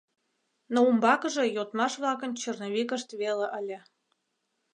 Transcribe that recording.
Но умбакыже йодмаш-влакын черновикышт веле ыле.